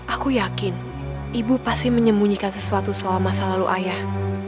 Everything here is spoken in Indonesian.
aku yakin ibu pasti menyembunyikan sesuatu soal masa lalu ayah